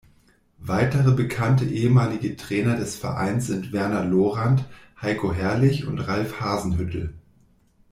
Weitere bekannte ehemalige Trainer des Vereins sind Werner Lorant, Heiko Herrlich und Ralph Hasenhüttl.